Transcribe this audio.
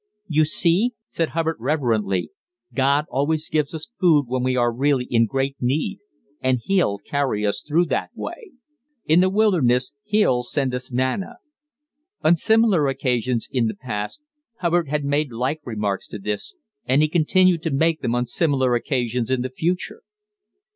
"You see," said Hubbard reverently, "God always gives us food when we are really in great need, and He'll carry us through that way; in the wilderness He'll send us manna." On similar occasions in the past Hubbard had made like remarks to this, and he continued to make them on similar occasions in the future.